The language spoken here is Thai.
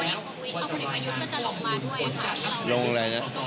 อันนี้จะต้องจับเบอร์เพื่อที่จะแข่งกันแล้วคุณละครับ